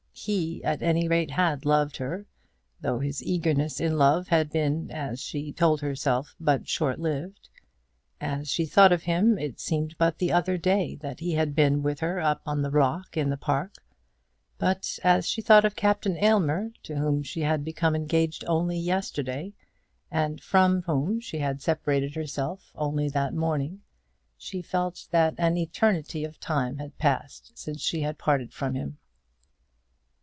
He, at any rate, had loved her, though his eagerness in love had been, as she told herself, but short lived. As she thought of him, it seemed but the other day that he had been with her up on the rock in the park; but as she thought of Captain Aylmer, to whom she had become engaged only yesterday, and from whom she had separated herself only that morning, she felt that an eternity of time had passed since she had parted from him.